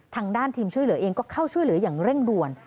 ทางด้านทีมช่วยเหลือเองก็เข้าช่วยเหลืออย่างเร่งด่วน